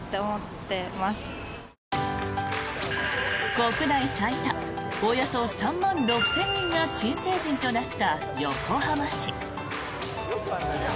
国内最多およそ３万６０００人が新成人となった横浜市。